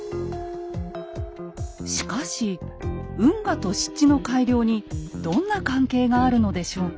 しかし運河と湿地の改良にどんな関係があるのでしょうか。